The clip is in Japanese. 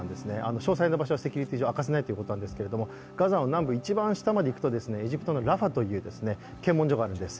詳細な場所はセキュリティー上明かせないということなんですけれどもガザの南部、一番下までいくとエジプトのラファという検問所があるんです。